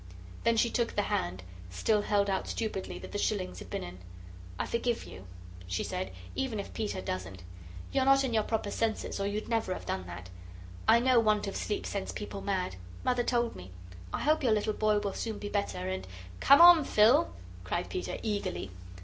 Then she took the hand, still held out stupidly, that the shillings had been in. "I forgive you," she said, "even if Peter doesn't. You're not in your proper senses, or you'd never have done that. I know want of sleep sends people mad. Mother told me. I hope your little boy will soon be better, and " "Come on, Phil," cried Peter, eagerly.